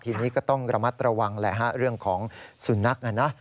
ทีนี้ก็ต้องระมัดระวังเรื่องของสุนัขนะนะ